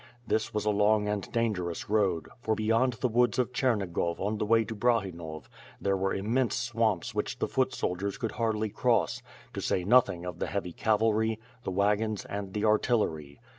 This was a long and dangerous road, for beyond the woods of Chernigov on the way to Brahinov, there was im mense swamps which the foot soldiers could hardly cross, to say nothing of the heavy cavalry, the wagons, and the ar tillery.